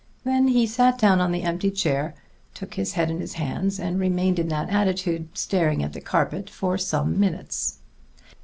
Then he sat down on the empty chair, took his head in his hands, and remained in that attitude, staring at the carpet, for some minutes.